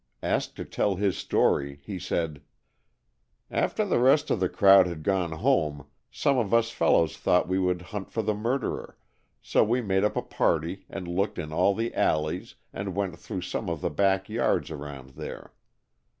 Asked to tell his story, he said: "After the rest of the crowd had gone home, some of us fellows thought we would hunt for the murderer, so we made up a party and looked in all the alleys and went through some of the back yards around there.